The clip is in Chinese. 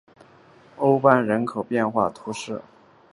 欧班日人口变化图示